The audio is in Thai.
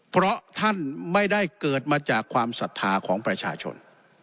เพราะท่านไม่ได้เกิดมาจากความศรัทธาของประชาชน